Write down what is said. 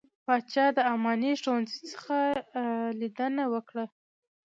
پاچا د اماني ښوونځي څخه څخه ليدنه وکړه .